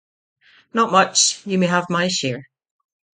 Not much; you may have my share.